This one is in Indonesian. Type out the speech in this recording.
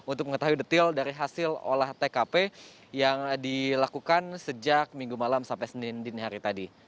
untuk mengetahui detail dari hasil olah tkp yang dilakukan sejak minggu malam sampai senin dini hari tadi